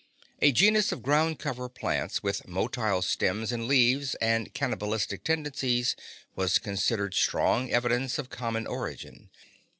A genus of ground cover plants with motile stems and leaves and cannibalistic tendencies was considered strong evidence of common origin.